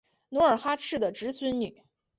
努尔哈赤的侄孙女。